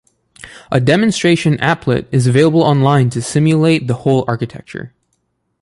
A demonstration applet is available online to simulate the whole architecture.